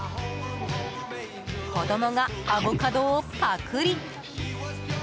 子供がアボカドをパクリ。